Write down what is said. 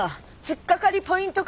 突っ掛かりポイント